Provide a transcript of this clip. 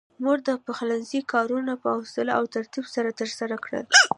مور د پخلنځي کارونه په حوصله او ترتيب سره ترسره کړل.